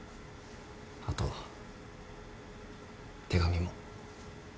あと手紙も。